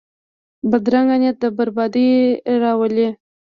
بدرنګه نیت بربادي راولي